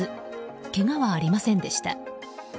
けがはありませんでした。